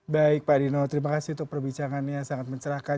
baik pak dino terima kasih untuk perbicaraannya sangat mencerahkan